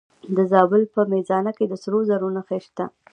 د زابل په میزانه کې د سرو زرو نښې شته.